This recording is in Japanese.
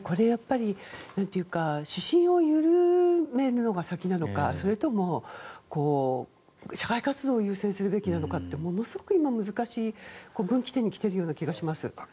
基準を緩めるのが先なのか、それとも社会活動を優先すべきなのかものすごく難しい分岐点に来ているような気がします。